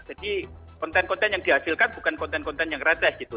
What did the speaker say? konten konten yang dihasilkan bukan konten konten yang retes gitu